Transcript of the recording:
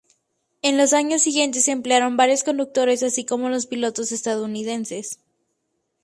En los años siguientes se emplearon varios conductores, así como los pilotos estadounidenses.